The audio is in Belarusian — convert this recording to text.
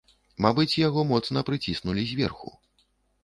Мабыць, яго моцна прыціснулі зверху.